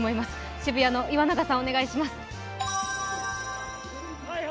渋谷の岩永さん、お願いします。